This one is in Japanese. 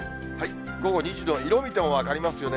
午後２時の色見ても分かりますよね。